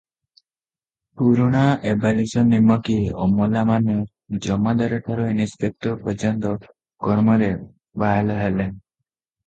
ପୁରୁଣା ଏବାଲିଶ ନିମକୀ ଅମଲାମାନେ ଜମାଦାରଠାରୁ ଇନସପେକ୍ଟର ପର୍ଯ୍ୟନ୍ତ କର୍ମରେ ବାହେଲ ହେଲେ ।